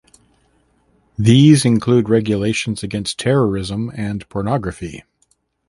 These include regulations against terrorism and pornography.